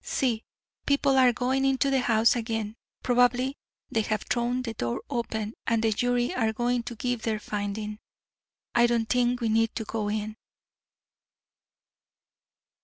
See, people are going into the house again. Probably they have thrown the door open, and the jury are going to give their finding. I don't think we need go in."